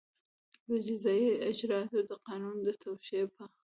د جزایي اجراآتو د قانون د توشېح په